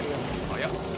早っ。